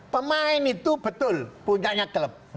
pemain itu betul punya klub